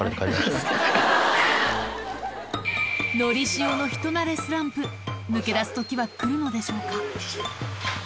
のりしおの人なれスランプ抜け出す時は来るのでしょうか？